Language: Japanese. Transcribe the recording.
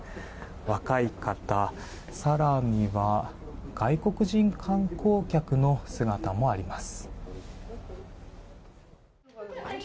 若い方、更には外国人観光客の姿もあります。